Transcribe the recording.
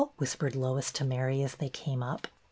whispered Lois to Mary as they came up.